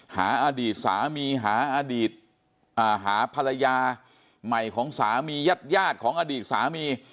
หาอดีตสามีหาอดีตหาภรรยาใหม่ของสามีญาติของอดีตสามี